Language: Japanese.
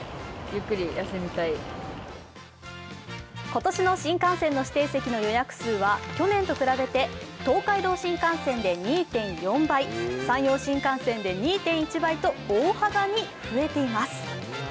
今年の新幹線の指定席の予約数は去年と比べて東海道新幹線で２．４倍、山陽新幹線で２．１倍と大幅に増えています。